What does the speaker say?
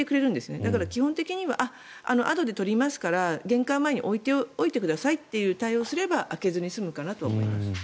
だから基本的にはあとで取りますから玄関前に置いておいてくださいという対応をすれば開けずに済むかなと思います。